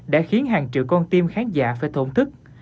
đã khiến hàng triệu con tim khán giả phải tổn thức